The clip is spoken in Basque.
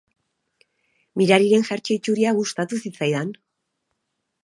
Mirariren jertse txuria gustatu zitzaidan.